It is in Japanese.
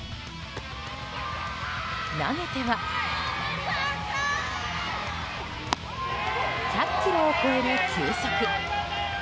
投げては１００キロを超える球速。